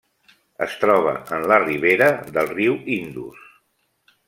Es troba en la ribera del riu Indus.